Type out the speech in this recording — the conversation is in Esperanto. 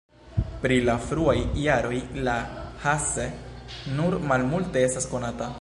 Pri la fruaj jaroj de Hasse nur malmulte estas konata.